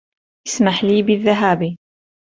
اسمح لي بالذهاب.